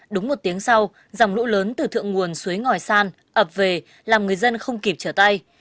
đúng một tiếng sau dòng lũ lớn từ thượng nguồn suối ngòi san ập về làm người dân không kịp trở tay